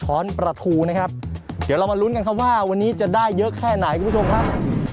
้อนประทูนะครับเดี๋ยวเรามาลุ้นกันครับว่าวันนี้จะได้เยอะแค่ไหนคุณผู้ชมครับ